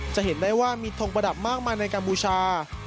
จะเห็นได้ว่ามีทงประดับมากมายในกัมพูชา